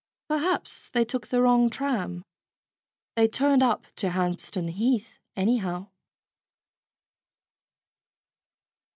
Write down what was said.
Perhaps they took the wrong tram. They turned up to Hampstead Heath, anyhow.